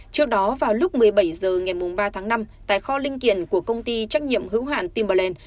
trước đó vào lúc một mươi bảy h ngày ba tháng năm tại kho linh kiện của công ty trách nhiệm hữu hạn timberland